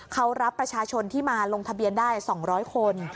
เขารับประชาชนที่มาลงทะเบียนได้๒๐๐คน